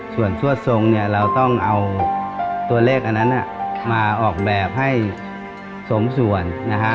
ส่วนสวดทรงเราต้องเอาตัวเลขนั้นมาออกแบบให้สมส่วน